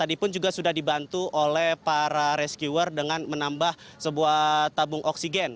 dan mereka juga menemukan karyawan yang tersebut menunjukkan bahwa mereka tidak bisa berada di tempat yang tersebut